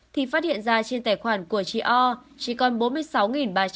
thì phát hiện ra trên tài khoản của chị o chỉ còn bốn mươi sáu ba trăm hai mươi tám đồng